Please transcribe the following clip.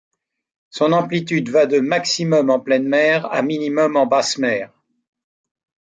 Son amplitude va de maximum en pleine mer à minimum en basse mer.